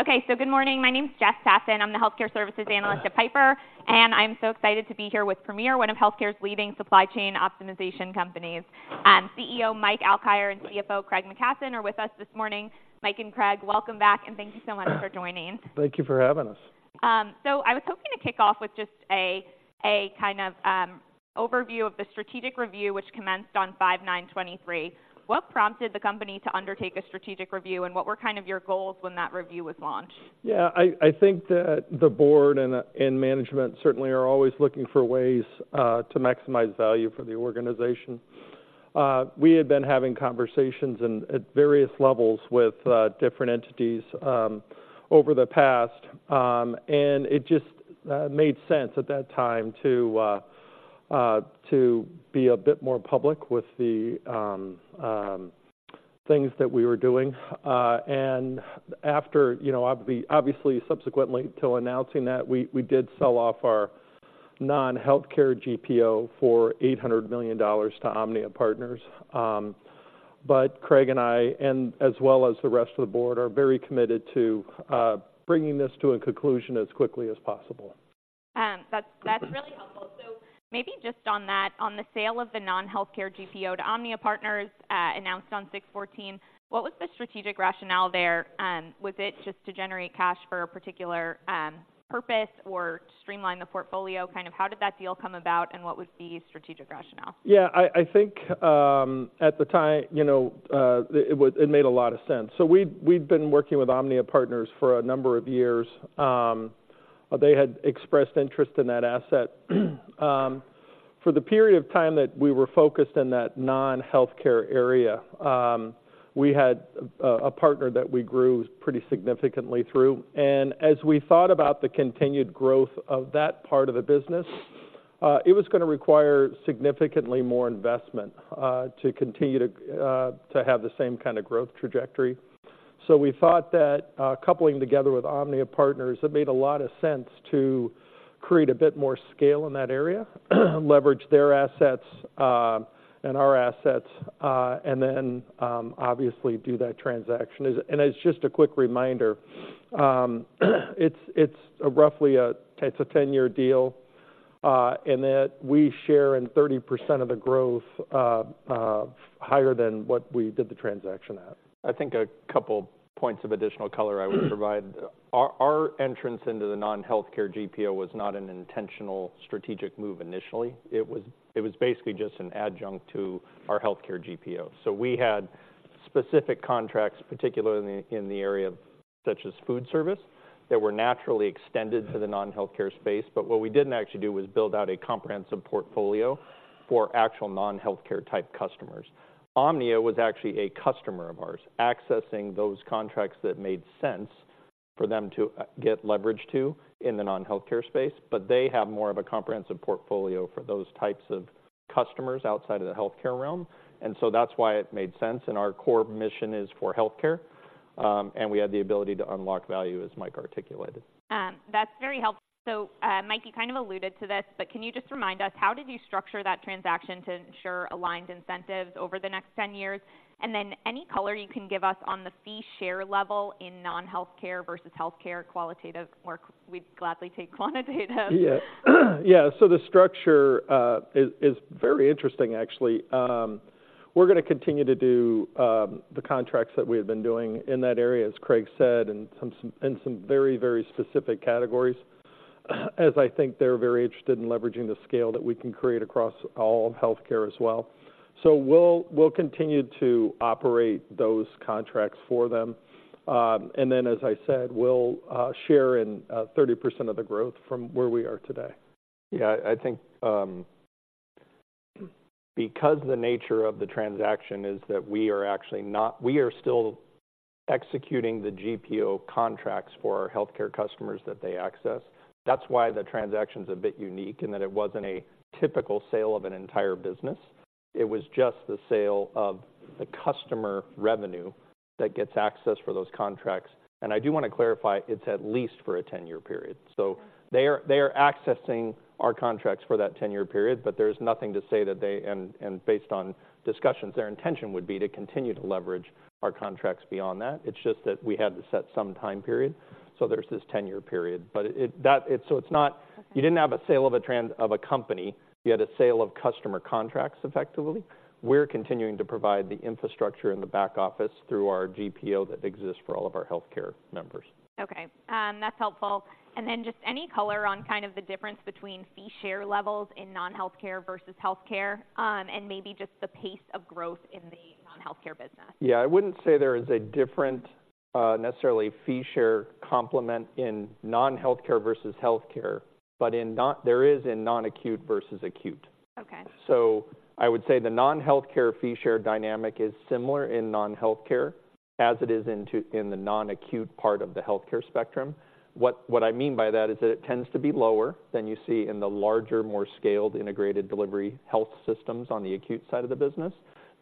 Okay, good morning. My name is Jessica Tassan. I'm the healthcare services analyst at Piper, and I'm so excited to be here with Premier, one of healthcare's leading supply chain optimization companies. CEO Mike Alkire and CFO Craig McKasson are with us this morning. Mike and Craig, welcome back, and thank you so much for joining. Thank you for having us. So I was hoping to kick off with just a kind of overview of the strategic review, which commenced on 5/9/2023. What prompted the company to undertake a strategic review, and what were kind of your goals when that review was launched?, I think that the board and management certainly are always looking for ways to maximize value for the organization. We had been having conversations at various levels with different entities over the past, and it just made sense at that time to be a bit more public with the things that we were doing. And after, you know, obviously subsequently to announcing that, we did sell off our non-healthcare GPO for $800 million to OMNIA Partners. But Craig and I, and as well as the rest of the board, are very committed to bringing this to a conclusion as quickly as possible. That's, that's really helpful. So maybe just on that, on the sale of the non-healthcare GPO to OMNIA Partners, announced on 6/14, what was the strategic rationale there? Was it just to generate cash for a particular purpose or to streamline the portfolio? Kind of, how did that deal come about, and what was the strategic rationale?, I think at the time, you know, it was, it made a lot of sense. So we'd been working with OMNIA Partners for a number of years. They had expressed interest in that asset. For the period of time that we were focused in that non-healthcare area, we had a partner that we grew pretty significantly through. And as we thought about the continued growth of that part of the business, it was gonna require significantly more investment to continue to have the same kind of growth trajectory. So we thought that coupling together with OMNIA Partners, it made a lot of sense to create a bit more scale in that area, leverage their assets and our assets, and then obviously do that transaction. And as just a quick reminder, it's roughly a 10-year deal, in that we share in 30% of the growth, higher than what we did the transaction at. I think a couple points of additional color I would provide. Our entrance into the non-healthcare GPO was not an intentional strategic move initially. It was basically just an adjunct to our healthcare GPO. So we had specific contracts, particularly in the area of such as food service, that were naturally extended to the non-healthcare space. But what we didn't actually do was build out a comprehensive portfolio for actual non-healthcare type customers. OMNIA was actually a customer of ours, accessing those contracts that made sense for them to get leverage to in the non-healthcare space, but they have more of a comprehensive portfolio for those types of customers outside of the healthcare realm, and so that's why it made sense. Our core mission is for healthcare, and we had the ability to unlock value, as Mike articulated. That's very helpful. So, Mike, you kind of alluded to this, but can you just remind us, how did you structure that transaction to ensure aligned incentives over the next 10 years? And then any color you can give us on the fee share level in non-healthcare versus healthcare, qualitative or we'd gladly take quantitative? So the structure is very interesting, actually. We're gonna continue to do the contracts that we have been doing in that area, as Craig said, in some very, very specific categories, as I think they're very interested in leveraging the scale that we can create across all of healthcare as well. So we'll continue to operate those contracts for them. And then, as I said, we'll share in 30% of the growth from where we are today., I think, because the nature of the transaction is that we are actually still executing the GPO contracts for our healthcare customers that they access. That's why the transaction's a bit unique in that it wasn't a typical sale of an entire business. It was just the sale of the customer revenue that gets access for those contracts. And I do want to clarify, it's at least for a 10-year period. Okay. So they are accessing our contracts for that 10-year period, but there's nothing to say that they... And based on discussions, their intention would be to continue to leverage our contracts beyond that. It's just that we had to set some time period, so there's this 10-year period. But it, that, so it's not - you didn't have a sale of a trans... of a company, you had a sale of customer contracts, effectively. We're continuing to provide the infrastructure in the back office through our GPO that exists for all of our healthcare members. Okay, that's helpful. And then just any color on kind of the difference between Fee Share levels in non-healthcare versus healthcare, and maybe just the pace of growth in the non-healthcare business., I wouldn't say there is a different necessarily fee share complement in non-healthcare versus healthcare, but there is in non-acute versus acute. Okay. So I would say the non-healthcare fee share dynamic is similar in non-healthcare as it is in the non-acute part of the healthcare spectrum. What, what I mean by that is that it tends to be lower than you see in the larger, more scaled, integrated delivery health systems on the acute side of the business,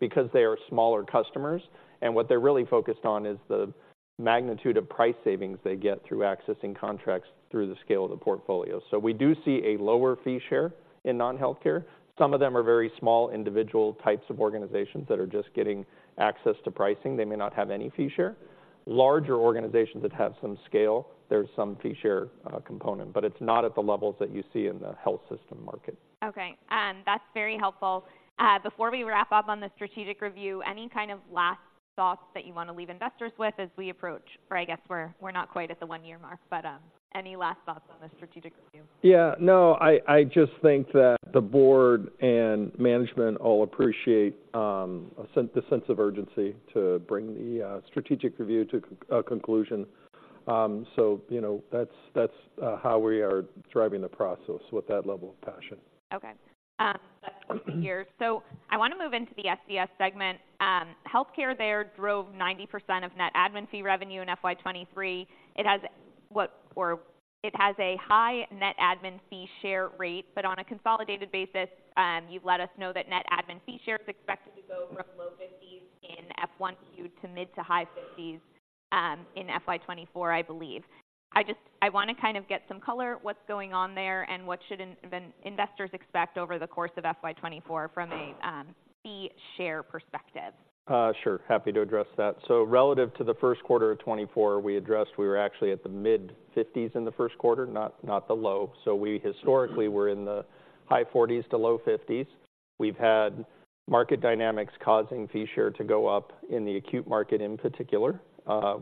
because they are smaller customers, and what they're really focused on is the magnitude of price savings they get through accessing contracts through the scale of the portfolio. So we do see a lower fee share in non-healthcare. Some of them are very small, individual types of organizations that are just getting access to pricing. They may not have any fee share.... Larger organizations that have some scale, there's some fee share component, but it's not at the levels that you see in the health system market. Okay, that's very helpful. Before we wrap up on the strategic review, any kind of last thoughts that you want to leave investors with as we approach, or I guess we're not quite at the one-year mark, but any last thoughts on the strategic review? No, I just think that the board and management all appreciate the sense of urgency to bring the strategic review to a conclusion. So, you know, that's how we are driving the process with that level of passion. Okay. That's great to hear. So I want to move into the SCS segment. Healthcare there drove 90% of Net Admin Fee revenue in FY 2023. It has a high Net Admin Fee share rate, but on a consolidated basis, you've let us know that Net Admin Fee share is expected to go from low 50s in FY to mid- to high 50s in FY 2024, I believe. I just I want to kind of get some color what's going on there, and what should investors expect over the course of FY 2024 from a Fee Share perspective? Sure, happy to address that. So relative to the first quarter of 2024, we addressed, we were actually at the mid-50s in the first quarter, not the low. So we historically were in the high 40s-low 50s. We've had market dynamics causing fee share to go up in the acute market, in particular,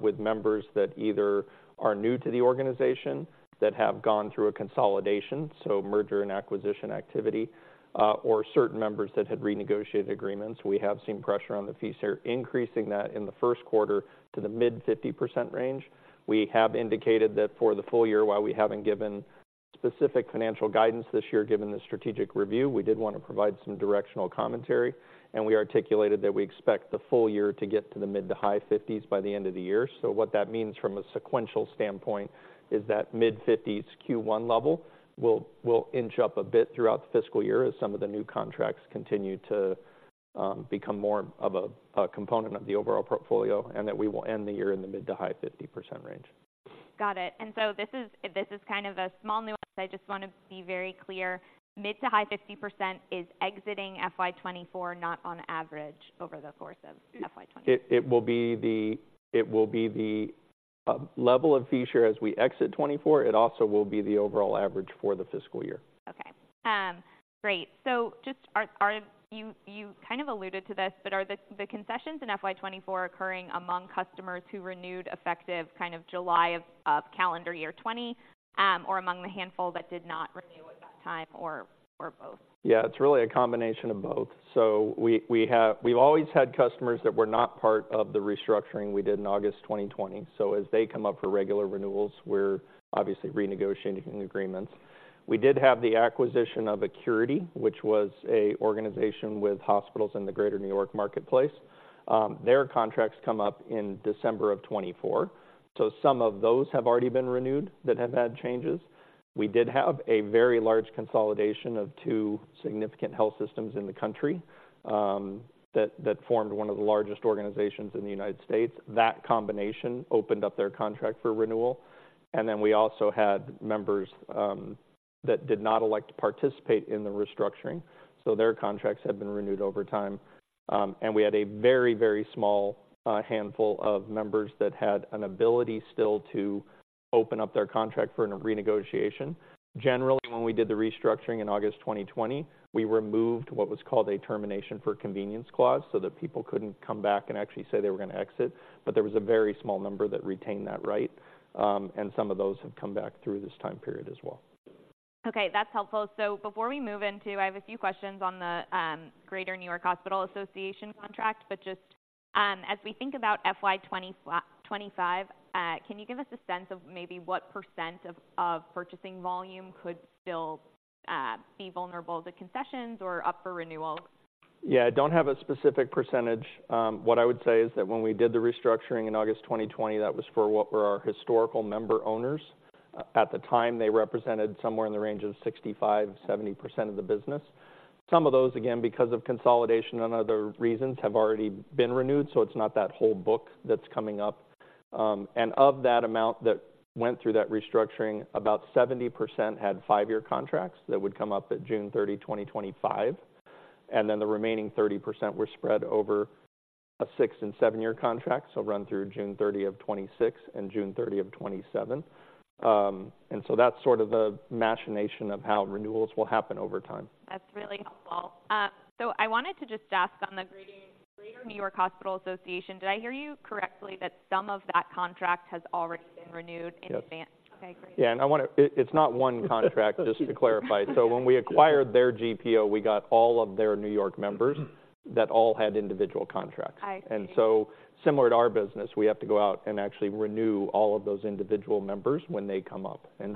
with members that either are new to the organization, that have gone through a consolidation, so merger and acquisition activity, or certain members that had renegotiated agreements. We have seen pressure on the fee share, increasing that in the first quarter to the mid-50% range. We have indicated that for the full year, while we haven't given specific financial guidance this year, given the strategic review, we did want to provide some directional commentary, and we articulated that we expect the full year to get to the mid- to high-50s by the end of the year. So what that means from a sequential standpoint is that mid-50s Q1 level will inch up a bit throughout the fiscal year as some of the new contracts continue to become more of a component of the overall portfolio, and that we will end the year in the mid- to high-50% range. Got it. And so this is, this is kind of a small nuance. I just want to be very clear. Mid- to high 50% is exiting FY 2024, not on average over the course of FY 2024. It will be the level of fee share as we exit 2024. It also will be the overall average for the fiscal year. Okay. Great. So, you kind of alluded to this, but are the concessions in FY 2024 occurring among customers who renewed effective kind of July of calendar year 2020, or among the handful that did not renew at that time, or both?, it's really a combination of both. So we have—we've always had customers that were not part of the restructuring we did in August 2020. So as they come up for regular renewals, we're obviously renegotiating agreements. We did have the acquisition of Acurity, which was an organization with hospitals in the Greater New York marketplace. Their contracts come up in December 2024, so some of those have already been renewed that have had changes. We did have a very large consolidation of two significant health systems in the country, that formed one of the largest organizations in the United States. That combination opened up their contract for renewal, and then we also had members that did not elect to participate in the restructuring, so their contracts have been renewed over time. And we had a very, very small handful of members that had an ability still to open up their contract for a renegotiation. Generally, when we did the restructuring in August 2020, we removed what was called a Termination for Convenience Clause, so that people couldn't come back and actually say they were going to exit. But there was a very small number that retained that right, and some of those have come back through this time period as well. Okay, that's helpful. So before we move into... I have a few questions on the Greater New York Hospital Association contract, but just as we think about FY 2025, can you give us a sense of maybe what % of purchasing volume could still be vulnerable to concessions or up for renewal?, I don't have a specific percentage. What I would say is that when we did the restructuring in August 2020, that was for what were our historical member owners. At the time, they represented somewhere in the range of 65%-70% of the business. Some of those, again, because of consolidation and other reasons, have already been renewed, so it's not that whole book that's coming up. And of that amount that went through that restructuring, about 70% had 5-year contracts that would come up at June 30, 2025, and then the remaining 30% were spread over a 6- and 7-year contract, so run through June 30, 2026 and June 30, 2027. And so that's sort of the machination of how renewals will happen over time. That's really helpful. So I wanted to just ask on the Greater New York Hospital Association, did I hear you correctly, that some of that contract has already been renewed in advance? Yes. Okay, great., and I wanna. It's not one contract, just to clarify. So when we acquired their GPO, we got all of their New York members that all had individual contracts. I see. And so similar to our business, we have to go out and actually renew all of those individual members when they come up. Okay.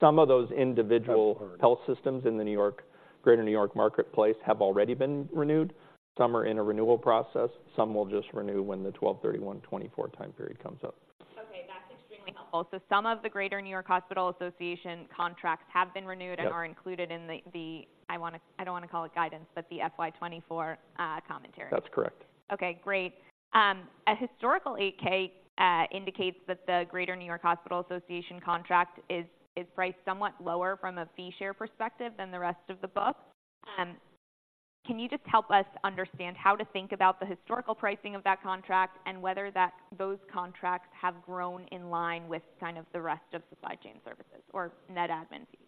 Some of those individual- Got it Health systems in the New York Greater New York marketplace have already been renewed. Some are in a renewal process. Some will just renew when the 12/31/2024 time period comes up. Okay, that's extremely helpful. So some of the Greater New York Hospital Association contracts have been renewed. Yes And are included in the, I wanna—I don't want to call it guidance, but the FY 2024 commentary? That's correct. Okay, great. A historical 8-K indicates that the Greater New York Hospital Association contract is priced somewhat lower from a Fee Share perspective than the rest of the book. Can you just help us understand how to think about the historical pricing of that contract and whether that, those contracts have grown in line with kind of the rest of Supply Chain Services or Net Admin Fees?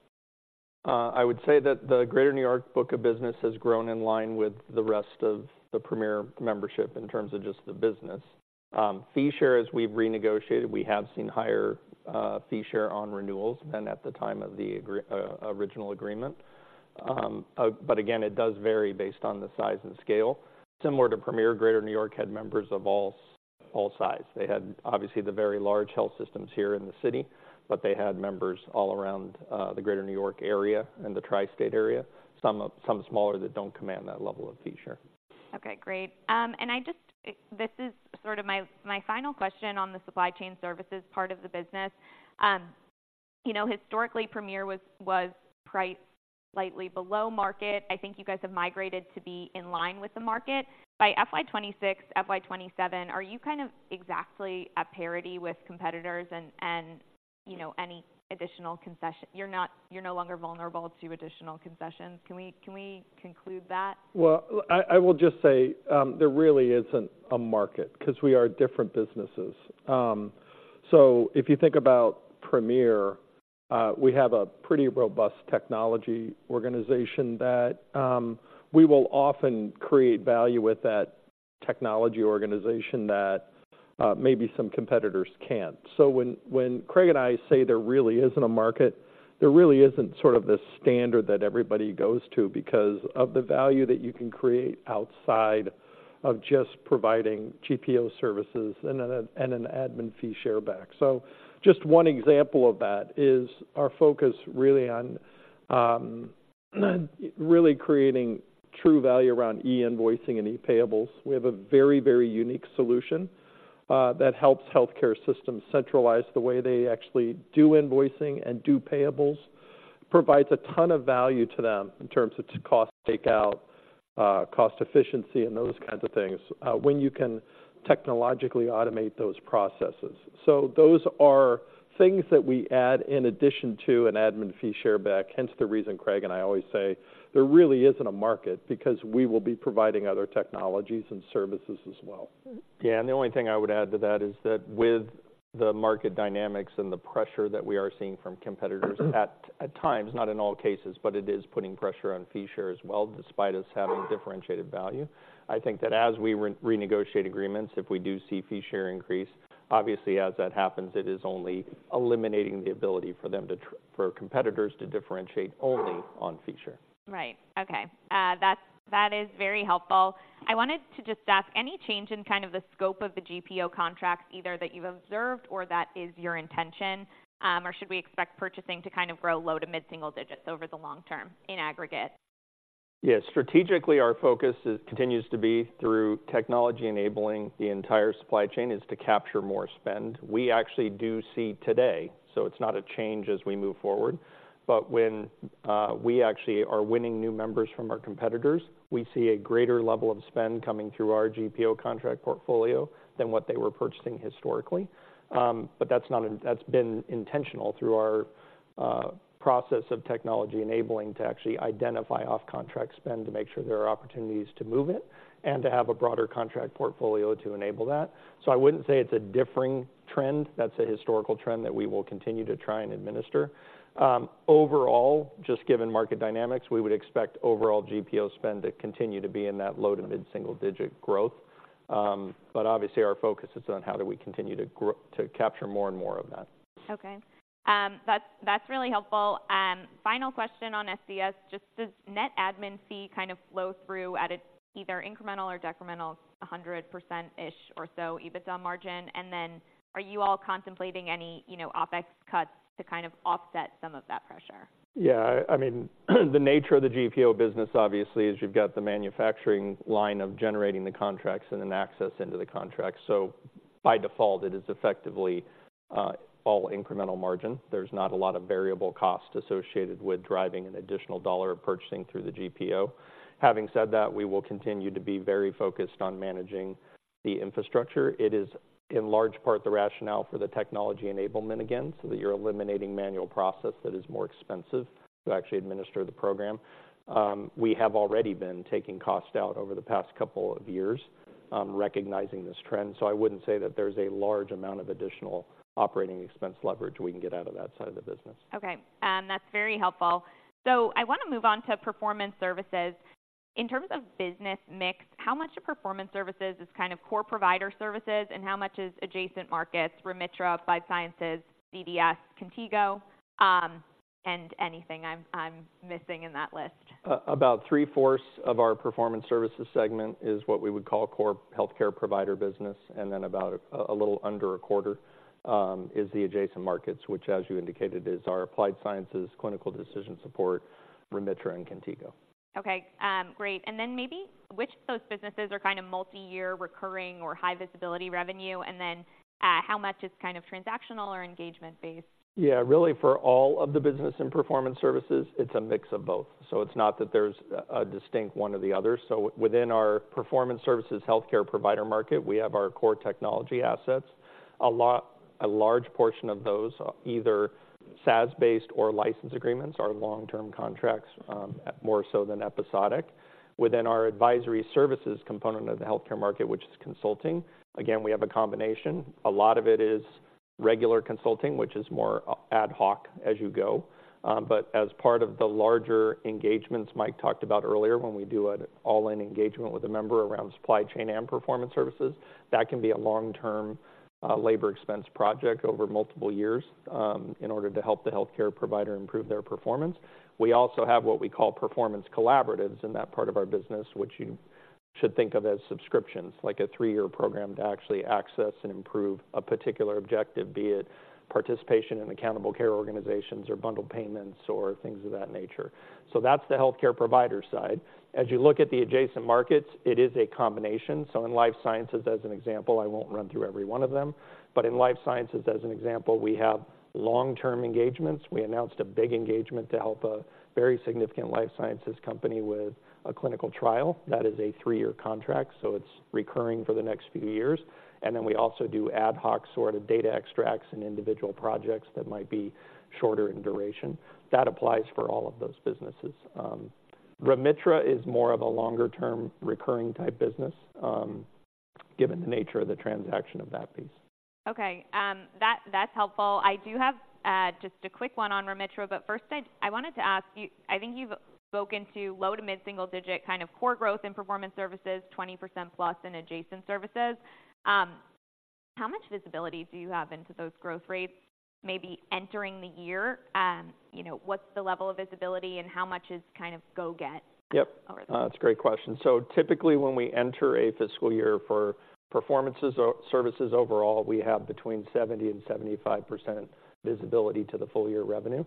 I would say that the Greater New York book of business has grown in line with the rest of the Premier membership in terms of just the business. Fee Share, as we've renegotiated, we have seen higher Fee Share on renewals than at the time of the original agreement. But again, it does vary based on the size and scale. Similar to Premier, Greater New York had members of all sizes. They had, obviously, the very large health systems here in the city, but they had members all around the Greater New York area and the Tri-State Area, some smaller that don't command that level of Fee Share. Okay, great. And I just—this is sort of my, my final question on the supply chain services part of the business. You know, historically, Premier was, was priced slightly below market. I think you guys have migrated to be in line with the market. By FY 2026, FY 2027, are you kind of exactly at parity with competitors and, and, you know, any additional concession? You're not—you're no longer vulnerable to additional concessions. Can we, can we conclude that? Well, I will just say, there really isn't a market 'cause we are different businesses. So if you think about Premier, we have a pretty robust technology organization that we will often create value with that technology organization that maybe some competitors can't. So when Craig and I say there really isn't a market, there really isn't sort of this standard that everybody goes to because of the value that you can create outside of just providing GPO services and an admin fee share back. So just one example of that is our focus really on really creating true value around E-invoicing and E-payables. We have a very, very unique solution that helps healthcare systems centralize the way they actually do invoicing and do payables. Provides a ton of value to them in terms of cost takeout, cost efficiency, and those kinds of things, when you can technologically automate those processes. So those are things that we add in addition to an admin fee share back, hence the reason Craig and I always say there really isn't a market, because we will be providing other technologies and services as well., and the only thing I would add to that is that with the market dynamics and the pressure that we are seeing from competitors, at times, not in all cases, but it is putting pressure on fee share as well, despite us having differentiated value. I think that as we renegotiate agreements, if we do see fee share increase, obviously as that happens, it is only eliminating the ability for them to for competitors to differentiate only on fee share. Right. Okay, that's, that is very helpful. I wanted to just ask, any change in kind of the scope of the GPO contracts, either that you've observed or that is your intention, or should we expect purchasing to kind of grow low to mid-single digits over the long term in aggregate? , strategically, our focus is, continues to be through technology, enabling the entire supply chain is to capture more spend. We actually do see today, so it's not a change as we move forward, but when we actually are winning new members from our competitors, we see a greater level of spend coming through our GPO contract portfolio than what they were purchasing historically. That's been intentional through our process of technology, enabling to actually identify off-contract spend, to make sure there are opportunities to move it, and to have a broader contract portfolio to enable that. So I wouldn't say it's a differing trend. That's a historical trend that we will continue to try and administer. Overall, just given market dynamics, we would expect overall GPO spend to continue to be in that low to mid-single digit growth. But obviously, our focus is on how do we continue to grow to capture more and more of that. Okay. That's, that's really helpful. Final question on SCS, just does Net Admin Fee kind of flow through at its either incremental or decremental 100%-ish or so EBITDA margin? And then are you all contemplating any, you know, OpEx cuts to kind of offset some of that pressure?, I mean, the nature of the GPO business, obviously, is you've got the manufacturing line of generating the contracts and then access into the contracts. So by default, it is effectively all incremental margin. There's not a lot of variable cost associated with driving an additional dollar of purchasing through the GPO. Having said that, we will continue to be very focused on managing the infrastructure. It is, in large part, the rationale for the technology enablement again, so that you're eliminating manual process that is more expensive to actually administer the program. We have already been taking cost out over the past couple of years, recognizing this trend. So I wouldn't say that there's a large amount of additional operating expense leverage we can get out of that side of the business. Okay, that's very helpful. I want to move on to performance services. In terms of business mix, how much of performance services is kind of core provider services, and how much is adjacent markets, Remitra, Applied Sciences, CDS, Contigo, and anything I'm missing in that list? About three-fourths of our performance services segment is what we would call core healthcare provider business, and then about a little under a quarter is the adjacent markets, which, as you indicated, is our Applied Sciences, Clinical Decision Support, Remitra, and Contigo. Okay, great. And then maybe which of those businesses are kind of multiyear, recurring, or high visibility revenue? And then, how much is kind of transactional or engagement-based? Really, for all of the business and performance services, it's a mix of both. So it's not that there's a distinct one or the other. So within our performance services healthcare provider market, we have our core technology assets. A large portion of those are either SaaS-based or license agreements are long-term contracts, more so than episodic. Within our advisory services component of the healthcare market, which is consulting, again, we have a combination. A lot of it is regular consulting, which is more ad hoc as you go. But as part of the larger engagements Mike talked about earlier, when we do an all-in engagement with a member around supply chain and performance services, that can be a long-term labor expense project over multiple years in order to help the healthcare provider improve their performance. We also have what we call Performance Collaboratives in that part of our business, which you should think of as subscriptions, like a 3-year program to actually access and improve a particular objective, be it participation in Accountable Care Organizations, or Bundled Payments, or things of that nature. So that's the healthcare provider side. As you look at the adjacent markets, it is a combination. So in life sciences, as an example, I won't run through every one of them, but in life sciences, as an example, we have long-term engagements. We announced a big engagement to help a very significant life sciences company with a clinical trial. That is a 3-year contract, so it's recurring for the next few years. And then we also do ad hoc sort of data extracts and individual projects that might be shorter in duration. That applies for all of those businesses. Remitra is more of a longer-term, recurring type business, given the nature of the transaction of that piece. Okay. That's helpful. I do have just a quick one on Remitra, but first, I wanted to ask you... I think you've spoken to low- to mid-single-digit, kind of core growth in performance services, 20% plus in adjacent services. How much visibility do you have into those growth rates maybe entering the year? You know, what's the level of visibility and how much is kind of go get? Yep. That's a great question. So typically, when we enter a fiscal year for performance or services overall, we have between 70%-75% visibility to the full year revenue.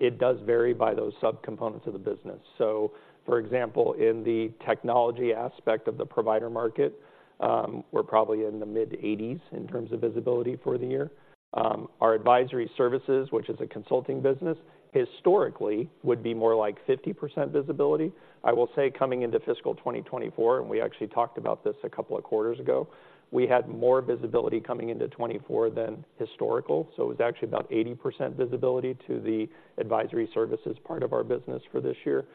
It does vary by those subcomponents of the business. So, for example, in the technology aspect of the provider market, we're probably in the mid-80s in terms of visibility for the year. Our advisory services, which is a consulting business, historically would be more like 50% visibility. I will say, coming into fiscal 2024, and we actually talked about this a couple of quarters ago, we had more visibility coming into 2024 than historical, so it was actually about 80% visibility to the advisory services part of our business for this year.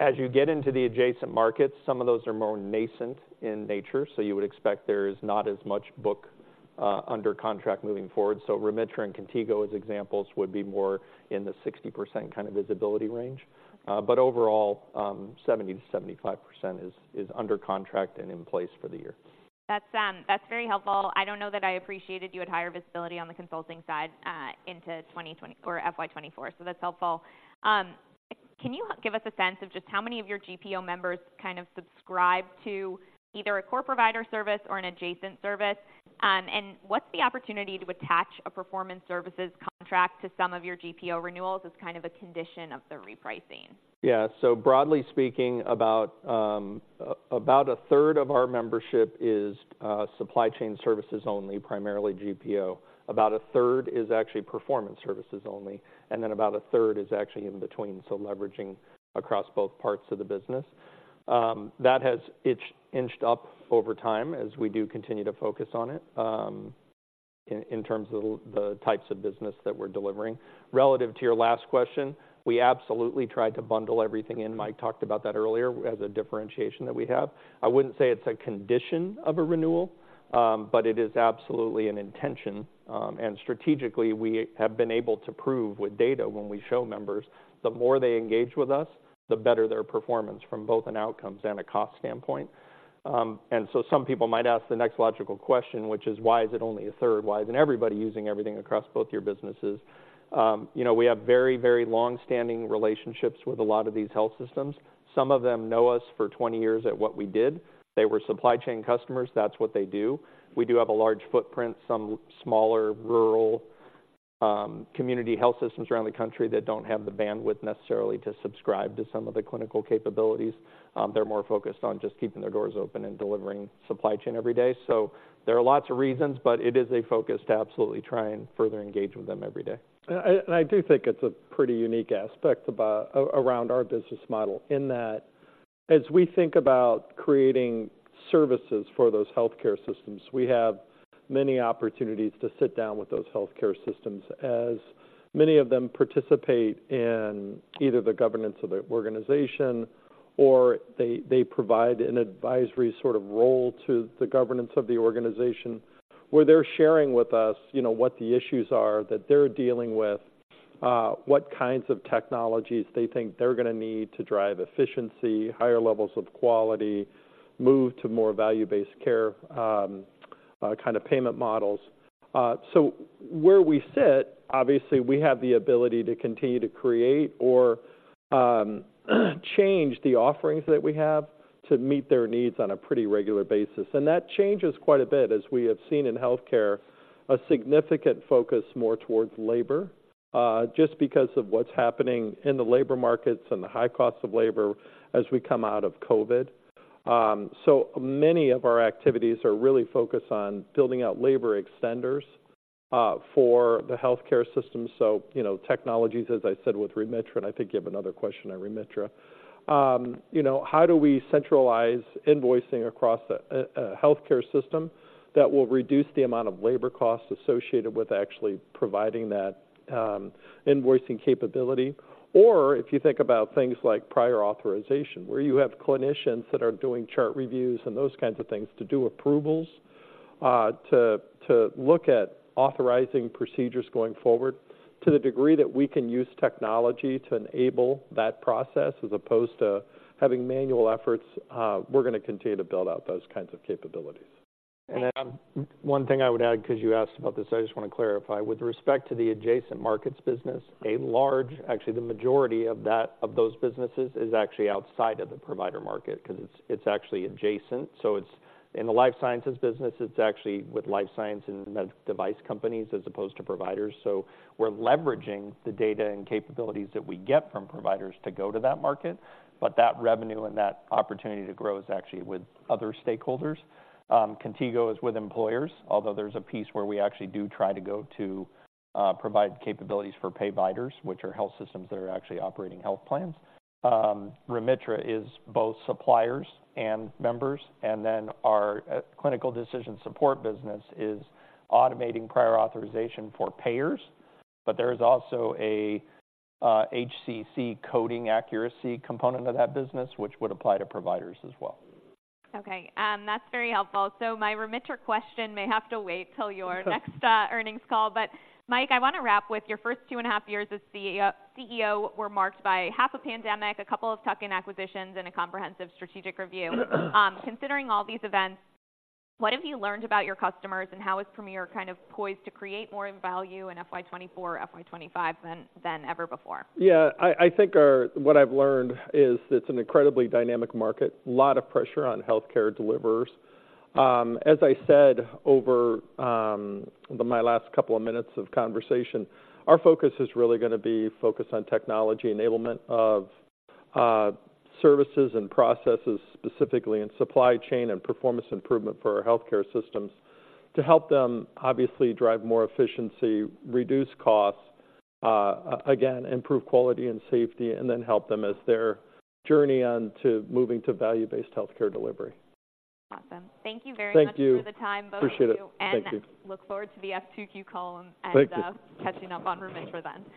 As you get into the adjacent markets, some of those are more nascent in nature, so you would expect there is not as much book under contract moving forward. So Remitra and Contigo, as examples, would be more in the 60% kind of visibility range. But overall, 70%-75% is under contract and in place for the year. That's, that's very helpful. I don't know that I appreciated you had higher visibility on the consulting side, into 2020- or FY 2024, so that's helpful. Can you give us a sense of just how many of your GPO members kind of subscribe to either a core provider service or an adjacent service? And what's the opportunity to attach a performance services contract to some of your GPO renewals as kind of a condition of the repricing?. So broadly speaking, about a third of our membership is supply chain services only, primarily GPO. About a third is actually performance services only, and then about a third is actually in between, so leveraging across both parts of the business. That has inched up over time as we do continue to focus on it, in terms of the types of business that we're delivering. Relative to your last question, we absolutely try to bundle everything in. Mike talked about that earlier as a differentiation that we have. I wouldn't say it's a condition of a renewal, but it is absolutely an intention. And strategically, we have been able to prove with data when we show members, the more they engage with us, the better their performance from both an outcomes and a cost standpoint. And so some people might ask the next logical question, which is, why is it only a third? Why isn't everybody using everything across both your businesses? You know, we have very, very long-standing relationships with a lot of these health systems. Some of them know us for 20 years at what we did. They were supply chain customers. That's what they do. We do have a large footprint, some smaller, rural, community health systems around the country that don't have the bandwidth necessarily to subscribe to some of the clinical capabilities. They're more focused on just keeping their doors open and delivering supply chain every day. So there are lots of reasons, but it is a focus to absolutely try and further engage with them every day. And I do think it's a pretty unique aspect about around our business model, in that as we think about creating services for those healthcare systems, we have many opportunities to sit down with those healthcare systems, as many of them participate in either the governance of the organization or they, they provide an advisory sort of role to the governance of the organization, where they're sharing with us, you know, what the issues are that they're dealing with, what kinds of technologies they think they're gonna need to drive efficiency, higher levels of quality, move to more value-based care, kind of payment models. So where we sit, obviously, we have the ability to continue to create or change the offerings that we have to meet their needs on a pretty regular basis. That changes quite a bit, as we have seen in healthcare, a significant focus more towards labor, just because of what's happening in the labor markets and the high cost of labor as we come out of COVID. So many of our activities are really focused on building out labor extenders, for the healthcare system. So, you know, technologies, as I said, with Remitra, and I think you have another question on Remitra, you know, how do we centralize invoicing across a healthcare system that will reduce the amount of labor costs associated with actually providing that, invoicing capability? Or if you think about things like Prior Authorization, where you have clinicians that are doing chart reviews and those kinds of things to do approvals, to look at authorizing procedures going forward. To the degree that we can use technology to enable that process, as opposed to having manual efforts, we're gonna continue to build out those kinds of capabilities. One thing I would add, because you asked about this, I just want to clarify. With respect to the adjacent markets business, a large, actually, the majority of that, of those businesses, is actually outside of the provider market, because it's actually adjacent. So it's in the life sciences business, it's actually with life science and med device companies, as opposed to providers. So we're leveraging the data and capabilities that we get from providers to go to that market, but that revenue and that opportunity to grow is actually with other stakeholders. Contigo is with employers, although there's a piece where we actually do try to go to provide capabilities for payviders, which are health systems that are actually operating health plans. Remitra is both suppliers and members, and then our Clinical Decision Support business is automating Prior Authorization for payers, but there is also a HCC coding accuracy component of that business, which would apply to providers as well. Okay, that's very helpful. So my Remitra question may have to wait till your next earnings call. But Mike, I want to wrap with your first two and a half years as CEO, CEO were marked by half a pandemic, a couple of tuck-in acquisitions, and a comprehensive strategic review. Considering all these events, what have you learned about your customers, and how is Premier kind of poised to create more value in FY 2024 or FY 2025 than, than ever before?, I think our... What I've learned is it's an incredibly dynamic market, a lot of pressure on healthcare deliverers. As I said over my last couple of minutes of conversation, our focus is really gonna be focused on technology enablement of services and processes, specifically in supply chain and performance improvement for our healthcare systems, to help them obviously drive more efficiency, reduce costs, again, improve quality and safety, and then help them as they're journey on to moving to value-based healthcare delivery. Awesome. Thank you very much- Thank you... for the time, both of you. Appreciate it. Thank you. Look forward to the F2Q call- Thank you -and, catching up on Remitra then.